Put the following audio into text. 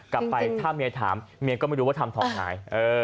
กลับไปถ้าเมียถามเมียก็ไม่รู้ว่าทำทองหาย